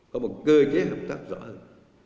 có cơ chế hợp tác rõ hơn